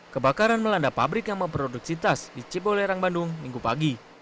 kebakaran melanda pabrik yang memproduksi tas di cibolerang bandung minggu pagi